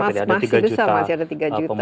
masih besar masih ada tiga juta